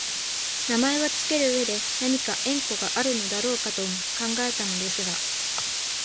名前をつける上でなにか縁故があるのだろうかとも考えたのですが、